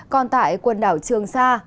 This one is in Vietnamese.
còn tại quần đảo trường sa